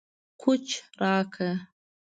کوچ راکړه